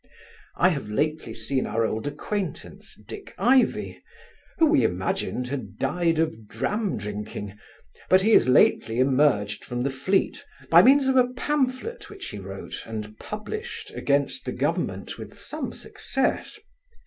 I have lately seen our old acquaintance Dick Ivy, who we imagined had died of dram drinking; but he is lately emerged from the Fleet, by means of a pamphlet which he wrote and published against the government with some success.